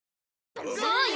そうよ。